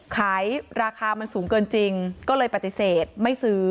ขายราคามันสูงเกินจริงก็เลยปฏิเสธไม่ซื้อ